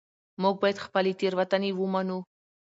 موږ باید خپلې تېروتنې ومنو